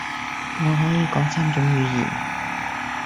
我可以講三種語言